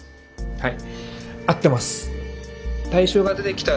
はい。